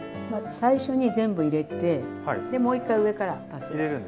最初に全部入れてでもう１回上から足せば。